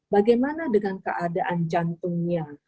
bagaimana dengan keadaan jantungnya